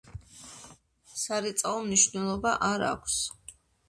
სარეწაო მნიშვნელობა არ აქვს.